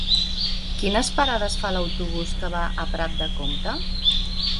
Quines parades fa l'autobús que va a Prat de Comte?